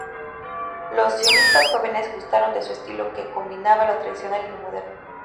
Los sionistas jóvenes gustaron de su estilo que combinaba lo tradicional y lo moderno.